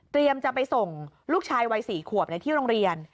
จะไปส่งลูกชายวัย๔ขวบในที่โรงเรียน